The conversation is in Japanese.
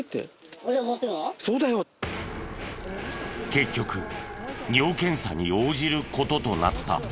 結局尿検査に応じる事となった。